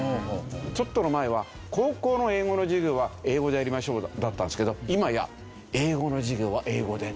ちょっと前は高校の英語の授業は英語でやりましょうだったんですけど今や英語の授業は英語で。